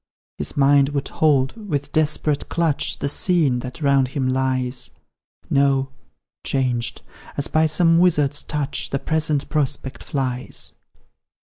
His mind would hold with desperate clutch The scene that round him lies; No changed, as by some wizard's touch, The present prospect flies.